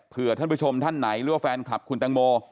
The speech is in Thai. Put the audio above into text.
เพื่อท่านผู้ชมท่านไหนหรือว่าแฟนคลับคุณตังโม